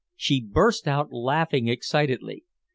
she burst out laughing excitedly.